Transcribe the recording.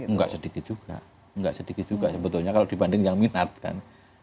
enggak sedikit juga nggak sedikit juga sebetulnya kalau dibanding yang minat kan